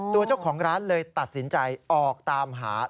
ตัวเจ้าของร้านเลยตัดสินใจออกตามหา